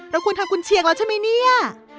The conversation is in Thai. เราควรทำกุญเชียงแล้วใช่ไหมเนี่ย